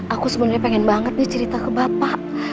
aku sebenarnya pengen banget nih cerita ke bapak